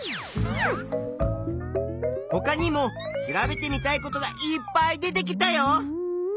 ほかにも調べてみたいことがいっぱい出てきたよ。